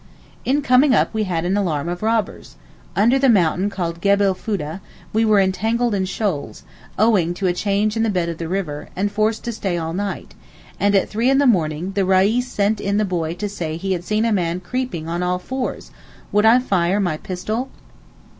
In coming up we had an alarm of robbers. Under the mountain called Gebel Foodah, we were entangled in shoals, owing to a change in the bed of the river, and forced to stay all night; and at three in the morning, the Reis sent in the boy to say he had seen a man creeping on all fours—would I fire my pistol?